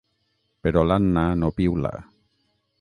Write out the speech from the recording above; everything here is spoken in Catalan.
Però l'Anna no piula.